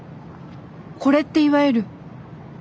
これっていわゆるオフ会。